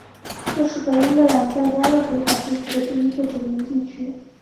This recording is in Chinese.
这个是英格兰在加勒比海地区的第一个殖民地。